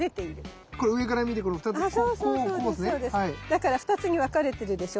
だから２つに分かれてるでしょ？